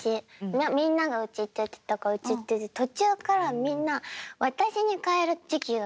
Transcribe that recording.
みんなが「うち」って言ってたから「うち」って言ってて途中からみんな「私」に変える時期が来るんですよ。